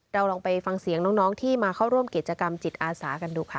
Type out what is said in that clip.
เราลองไปฟังเสียงน้องที่มาเข้าร่วมกิจกรรมจิตอาสากันดูค่ะ